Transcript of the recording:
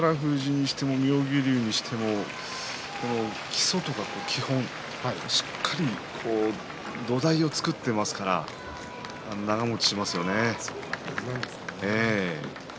宝富士にしても妙義龍にしても基礎や基本、しっかり土台を作っていますから長もちしますよね。